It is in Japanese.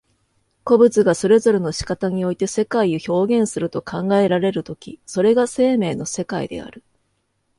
個物がそれぞれの仕方において世界を表現すると考えられる時、それが生命の世界である。